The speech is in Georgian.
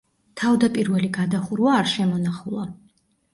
თავდაპირველი გადახურვა არ შემონახულა.